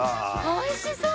おいしそう！